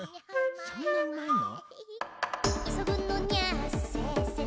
そんなうまいの？